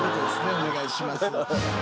お願いします。